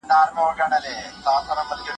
کتابتونونه د هر عمر لپاره ښه منابع دي.